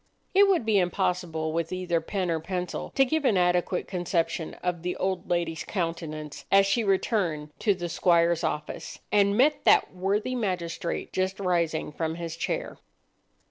It would be impossible with either pen or pencil to give an adequate conception of the old lady's countenance as she returned to the squire's office, and met that worthy magistrate just rising from his chair.